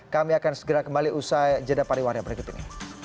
kami akan segera kembali usai jeda pariwaria berikut ini